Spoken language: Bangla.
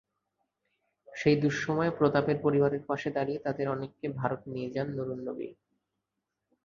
সেই দুঃসময়ে প্রতাপের পরিবারের পাশে দাঁড়িয়ে তাঁদের অনেককে ভারতে নিয়ে যান নূরুন্নবী।